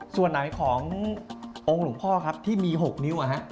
ส่วนไหนขององค์หลวงพ่อครับที่มี๖นิ้ว